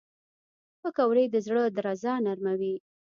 پکورې د زړه درزا نرموي